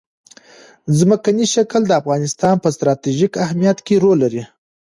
ځمکنی شکل د افغانستان په ستراتیژیک اهمیت کې رول لري.